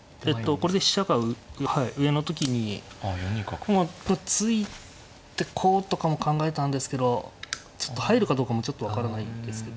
これで飛車がはい上の時に突いてこうとかも考えたんですけどちょっと入るかどうかもちょっと分からないですけど。